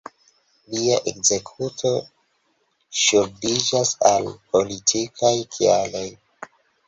Lia ekzekuto ŝuldiĝas al politikaj kialoj.